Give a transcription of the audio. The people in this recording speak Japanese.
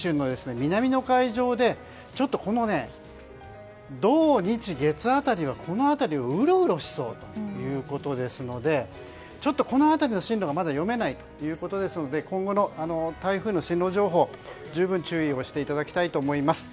そして、本州の南海上でこの土、日、月当たりはこの辺りをうろうろしそうということですのでちょっと、この辺りの進路が読めないところですので今後の台風の進路情報に十分注意をしていただきたいと思います。